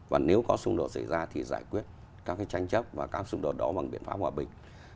và nếu có xung đột xảy ra thì giải quyết các tranh chấp và các xung đột đó bằng biện pháp hòa bình